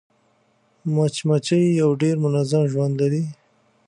مچمچۍ یو ډېر منظم ژوند لري